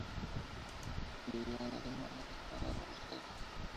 Vivió en Alemania, España y Buenos Aires.